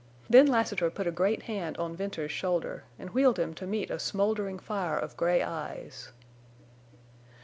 Then Lassiter put a great hand on Venters's shoulder and wheeled him to meet a smoldering fire of gray eyes.